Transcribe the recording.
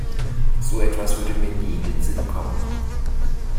So etwas würde mir nie in den Sinn kommen.